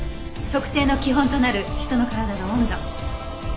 測定の基本となる人の体の温度。